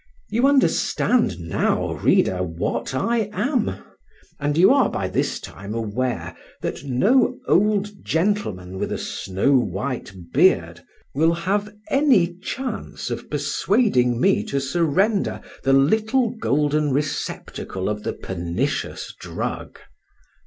You understand now, reader, what I am, and you are by this time aware that no old gentleman "with a snow white beard" will have any chance of persuading me to surrender "the little golden receptacle of the pernicious drug."